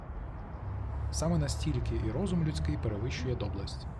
Саме настільки і розум людський перевищує доблесть.